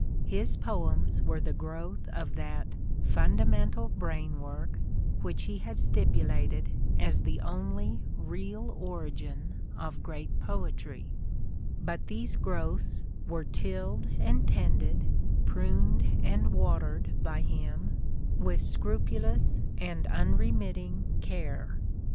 His poems were the growth of that •* fundamental brain work " which he had stipu lated as the only real origin of great poetry ; but these growths were tilled and tended, pruned and watered, by him, with scrupulous and un remitting care.